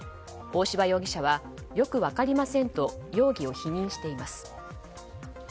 大柴容疑者はよく分かりませんと容疑を否認しています。